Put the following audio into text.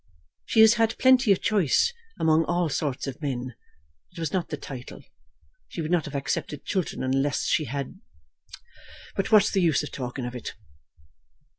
"She has had plenty of choice among all sorts of men. It was not the title. She would not have accepted Chiltern unless she had . But what is the use of talking of it?"